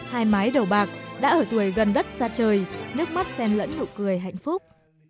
hai mái đầu bạc đã ở tuổi gần đất xa trời nước mắt xen lẫn nụ cười hạnh phúc